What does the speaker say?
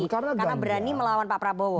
karena berani melawan pak prabowo